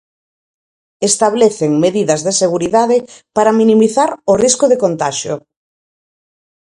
Establecen medidas de seguridade para minimizar o risco de contaxio.